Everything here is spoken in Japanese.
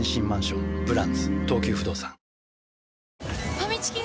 ファミチキが！？